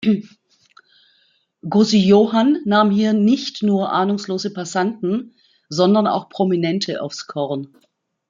Gosejohann nahm hier nicht nur ahnungslose Passanten, sondern auch Prominente aufs Korn.